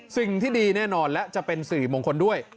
สิ่งที่ดีแน่นอนและจะเป็นสิริมงคลด้วย